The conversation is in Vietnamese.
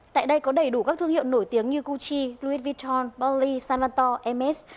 tại đây có đầy đủ các thương hiệu nổi tiếng như gucci louis vuitton bali san vantor ms